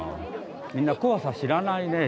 みんな怖さ知らないね。